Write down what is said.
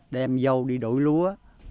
đem dâu đi đổi lúa